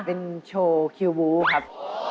เป็นโชว์คิววูครับ